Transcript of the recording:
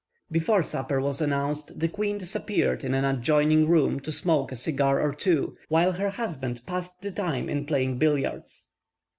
Before supper was announced, the queen disappeared in an adjoining room to smoke a cigar or two, while her husband passed the time in playing billiards.